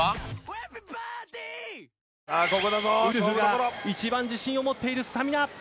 ウルフがいちばん自信を持っているスタミナ。